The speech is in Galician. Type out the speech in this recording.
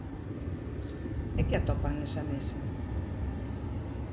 E ¿que atopan nesa mesa?